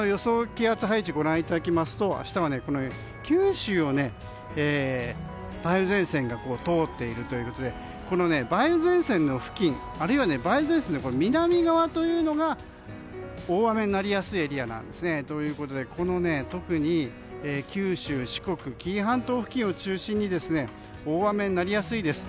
気圧配置をご覧いただきますと明日は九州を梅雨前線が通っているということで梅雨前線付近あるいは梅雨前線の南側が大雨になりやすいエリアなんですね。ということで特に九州・四国紀伊半島付近を中心に大雨になりやすいです。